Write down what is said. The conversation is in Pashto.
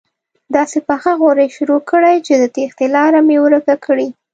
داسې پخه غوره شروع کړي چې د تېښتې لاره مې ورکه کړي.